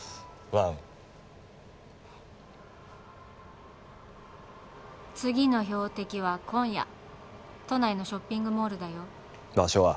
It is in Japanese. ワン次の標的は今夜都内のショッピングモールだよ場所は？